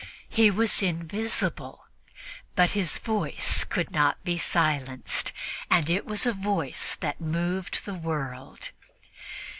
He was invisible, but his voice could not be silenced, and it was a voice that moved the world.